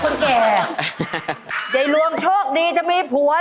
นี่